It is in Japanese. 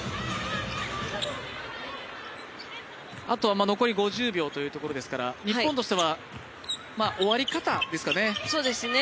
あとは残り５０秒というところですから、日本としては終わり方ですかね。